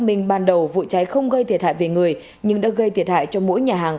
minh ban đầu vụ cháy không gây thiệt hại về người nhưng đã gây thiệt hại cho mỗi nhà hàng